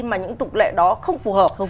mà những cái tục lệ đó không phù hợp